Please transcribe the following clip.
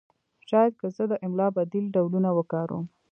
شاید که زه د املا بدیل ډولونه وکاروم